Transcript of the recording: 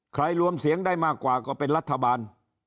รวมเสียงได้มากกว่าก็เป็นรัฐบาล